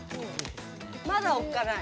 まだおっかない。